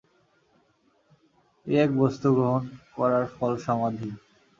এই এক বস্তু গ্রহণ করার ফল সমাধি।